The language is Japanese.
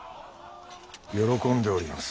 喜んでおります。